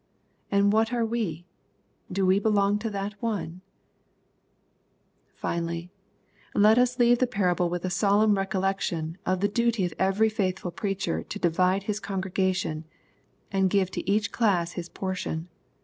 And what are we ? Do we belong to that one ? Finally^ let us leave the parable with a solemn recol lection of the duty of every faithful preacher to divide his congregation^ and give to each class his portion.